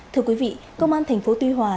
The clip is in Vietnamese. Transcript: thưa quý vị công an thành phố tuy hòa